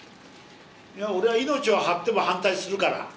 俺は命を張っても反対するから。